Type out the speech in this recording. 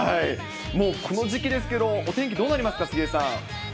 もうこの時期ですけど、お天気、どうなりますか、杉江さん。